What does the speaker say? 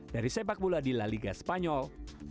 dari sepak bola di la liga spanyol